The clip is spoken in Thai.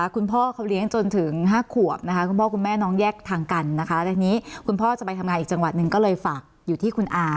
คุณพ่อจะไปทำงานอีกจังหวัดหนึ่งก็เลยฝากอยู่ที่คุณอา